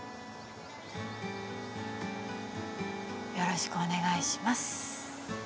よろしくお願いします。